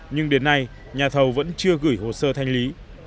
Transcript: nhưng đến nay nhà thầu vẫn chưa gửi hồ sơ thanh lý